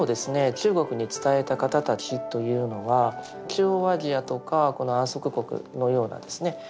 中国に伝えた方たちというのは中央アジアとかこの安息国のようなですね